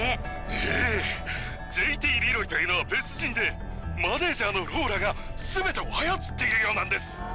ええ、ＪＴリロイというのは別人で、マネージャーのローラがすべてを操っているようなんです。